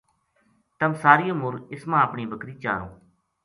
تَم ساری عمر اس ما اپنی بکری چاروں